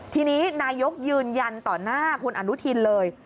ทีนี้นายกยืนยันต่อหน้าคุณอนุทินเลย